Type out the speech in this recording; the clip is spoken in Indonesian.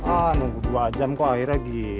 ah nunggu dua jam kok akhirnya gini